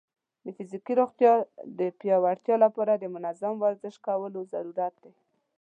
د فزیکي روغتیا د پیاوړتیا لپاره د منظم ورزش کولو ضرورت دی.